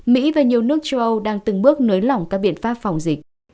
mỹ và nhiều nước châu âu đang từng bước nới lỏng các biện pháp phòng dịch